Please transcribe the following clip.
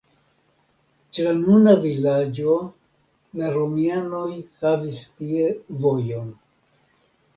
Ĉe la nuna vilaĝo la romianoj havis tie vojon.